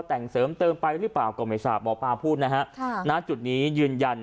แต่งเสริมเติมไปหรือเปล่าก็ไม่ทราบหมอปลาพูดนะฮะค่ะณจุดนี้ยืนยัน